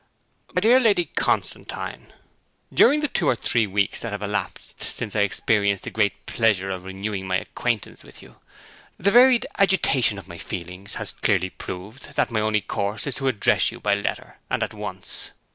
'MY DEAR LADY CONSTANTINE, During the two or three weeks that have elapsed since I experienced the great pleasure of renewing my acquaintance with you, the varied agitation of my feelings has clearly proved that my only course is to address you by letter, and at once.